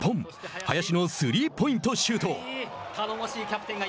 林のスリーポイントシュート。